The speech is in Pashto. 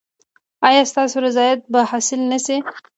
ایا ستاسو رضایت به حاصل نه شي؟